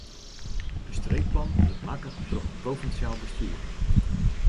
In streekplan wurdt makke troch it provinsjaal bestjoer.